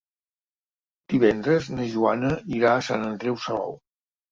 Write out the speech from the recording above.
Dimecres na Joana irà a Sant Andreu Salou.